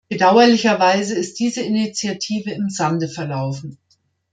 Bedauerlicherweise ist diese Initiative im Sande verlaufen.